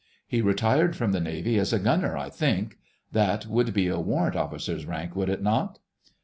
He retired from the Navy as a Gunner, I think. That would be a Warrant Officer's rank, would it not?"